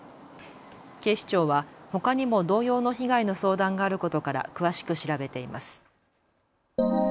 警視庁はほかにも同様の被害の相談があることから詳しく調べています。